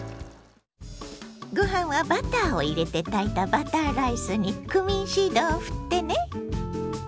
ご飯はバターを入れて炊いたバターライスにクミンシードをふってね。